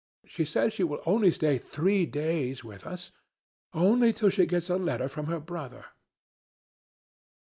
She says she will only stay three days with us, only till she gets a letter from her brother."